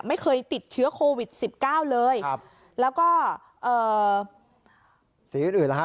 ไม่เคยติดเชื้อโควิดสิบเก้าเลยครับแล้วก็เอ่อสีอื่นอื่นแล้วฮะ